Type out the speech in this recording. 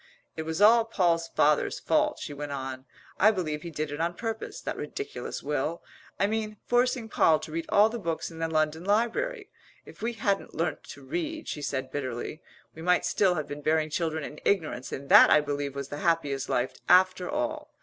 It was all Poll's father's fault," she went on. "I believe he did it on purpose that ridiculous will, I mean, forcing Poll to read all the books in the London Library. If we hadn't learnt to read," she said bitterly, "we might still have been bearing children in ignorance and that I believe was the happiest life after all.